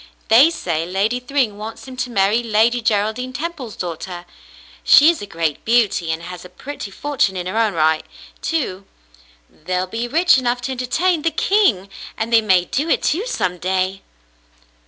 They say Lady Thryng wants him to marry Lady Geraldine Temple's daughter. She is a great beauty, and has a pretty fortune in her own right, too. They'll be rich enough to entertain the king ! And they may do it, too, some day."